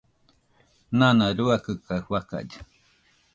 Nana ruakɨ kaɨ fakallɨ